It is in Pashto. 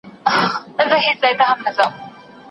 په هوا کي د مرغانو پروازونه